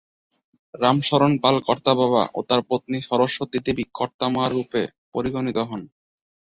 রামশরণ পাল ‘কর্তাবাবা’ ও তাঁর পত্নী সরস্বতী দেবী ‘কর্তামা’রূপে পরিগণিত হন।